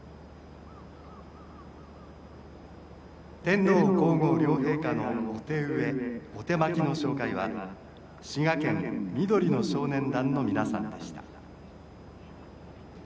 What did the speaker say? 「天皇皇后両陛下のお手植えお手播きの紹介は滋賀県緑の少年団の皆さんでした」。